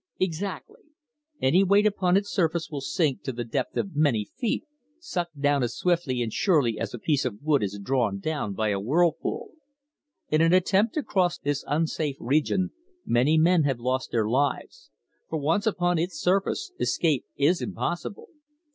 "Exactly. Any weight upon its surface will sink to the depth of many feet, sucked down as swiftly and surely as a piece of wood is drawn down by a whirlpool. In an attempt to cross this unsafe region many men have lost their lives, for once upon its surface escape is impossible.